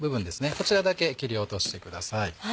こちらだけ切り落としてください。